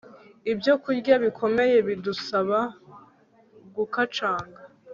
ibyokurya bikomeye bidusaba gukacanga